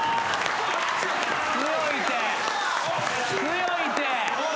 強いって！